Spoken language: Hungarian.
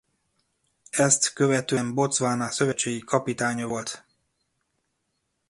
Ezt követően Botswana szövetségi kapitánya volt.